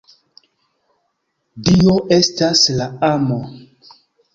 Dio estas la Amo.